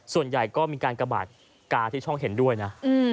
ส่วนใหญ่ก็มีการกระบาดกาที่ช่องเห็นด้วยนะ